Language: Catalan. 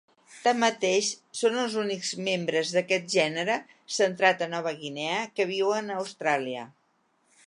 Tanmateix, són els únics membres d'aquest gènere centrat a Nova Guinea que viuen a Austràlia.